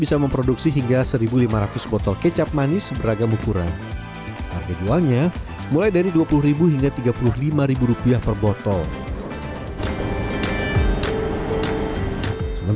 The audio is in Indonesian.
sorghum akan dipermasukkan ke dalam ruangan